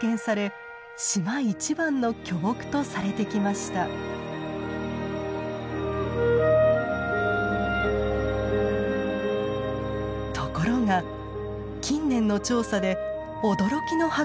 ところが近年の調査で驚きの発見がありました。